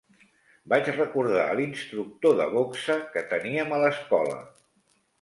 Vaig recordar l'instructor de boxa que teníem a l'escola